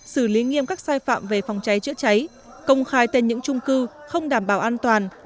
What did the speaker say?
xử lý nghiêm các sai phạm về phòng cháy chữa cháy công khai tên những trung cư không đảm bảo an toàn